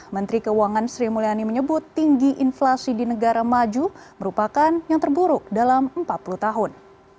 menteri keuangan sri mulyani menyebut tinggi inflasi di negara maju merupakan yang terburuk dalam empat puluh tahun